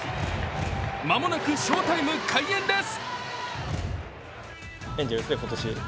間もなく翔タイム開演です。